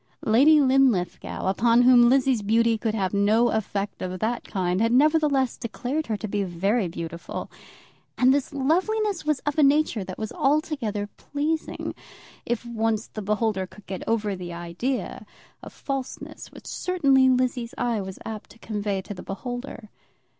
Lady Linlithgow, upon whom Lizzie's beauty could have no effect of that kind, had nevertheless declared her to be very beautiful. And this loveliness was of a nature that was altogether pleasing, if once the beholder of it could get over the idea of falseness which certainly Lizzie's eye was apt to convey to the beholder.